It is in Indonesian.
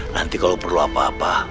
nanti kalau perlu apa apa